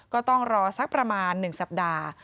ก็ต้องรอสักประมาณ๑สัปดาห์